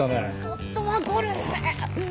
夫はゴルフ。